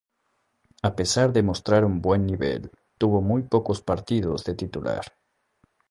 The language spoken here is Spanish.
A pesar de mostrar un buen nivel, tuvo muy pocos partidos de titular.